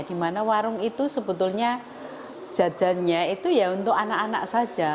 dimana warung itu sebetulnya jajannya itu ya untuk anak anak saja